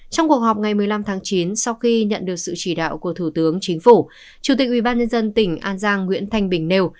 trong cuộc họp ngày một mươi năm tháng chín sau khi nhận được sự chỉ đạo của thủ tướng chính phủ chủ tịch ubnd tỉnh an giang nguyễn thanh bình nêu